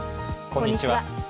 こんにちは。